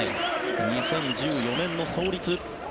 ２０１４年の創立。